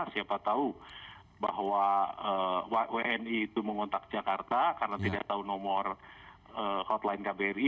siapa tahu bahwa wni itu mengontak jakarta karena tidak tahu nomor hotline kbri